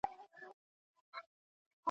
ما په تا کي حق لیدلی آیینې چي هېر مي نه کې `